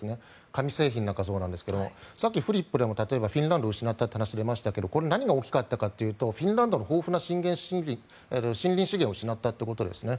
紙製品なんかそうですがさっきフリップでも例えばフィンランドを失ったと言いましたが何が大きかったというとフィンランドの豊富な森林資源を失ったということですね。